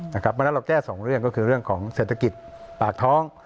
เพราะฉะนั้นเราแก้สองเรื่องก็คือเรื่องของเศรษฐกิจปากท้อง